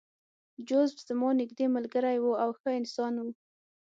جوزف زما نږدې ملګری و او ښه انسان و